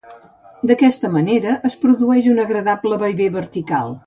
D'aquesta manera, es produeix un agradable vaivé vertical.